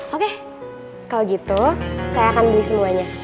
oke kalau gitu saya akan beli semuanya